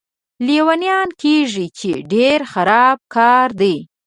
لیونیان کېږي، چې ډېر خراب کار دی.